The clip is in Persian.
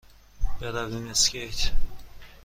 برویم اسکیت؟